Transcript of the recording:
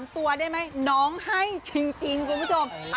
ตัวได้ไหมน้องให้จริงคุณผู้ชม